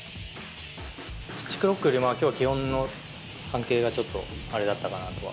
ピッチクロックよりも、きょうは気温の関係がちょっとあれだったかなとは。